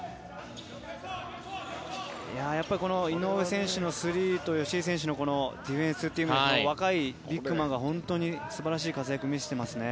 やっぱりこの井上選手のスリーと吉井選手のディフェンスという若いビッグマンが本当に素晴らしい活躍を見せていますね。